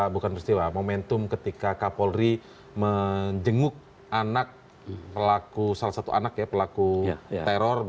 bukan peristiwa momentum ketika kapolri menjenguk anak pelaku salah satu anak ya pelaku teror